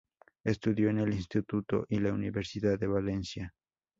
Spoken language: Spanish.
Estudió en el Instituto y la Universidad de Valencia.